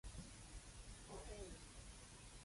如果佢喺古洞金錢徑搵唔到便利店買汽水